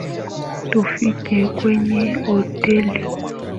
Tufike kwenye hoteli